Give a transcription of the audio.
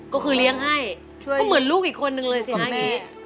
ก็คือเลี้ยงให้ก็เหมือนลูกอีกคนนึงเลยสิฮะอย่างนี้